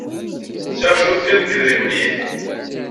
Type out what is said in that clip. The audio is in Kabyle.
Sɛiɣ cwiṭ kan n yedrimen yid-i.